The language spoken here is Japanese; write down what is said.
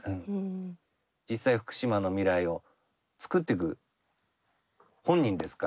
実際福島の未来をつくってく本人ですから。